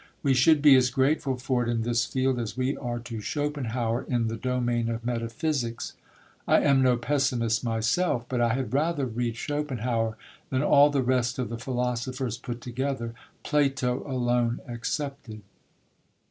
We should be as grateful for it in this field as we are to Schopenhauer in the domain of metaphysics. I am no pessimist myself, but I had rather read Schopenhauer than all the rest of the philosophers put together, Plato alone excepted.